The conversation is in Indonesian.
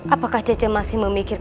apakah cicek masih memikirkan